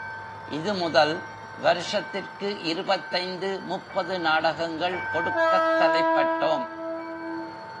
இது முதல் வருஷத்திற்கு இருபத்தைந்து முப்பது நாடகங்கள் கொடுக்கத் தலைப்பட்டோம்.